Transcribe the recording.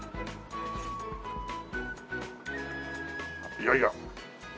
いやいや。